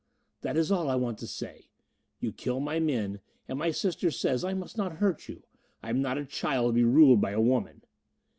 "That is all I want to say. You kill my men, and my sister says I must not hurt you. I am not a child to be ruled by a woman!"